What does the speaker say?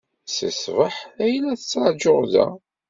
Seg ṣṣbaḥ ay la tettṛajuɣ da.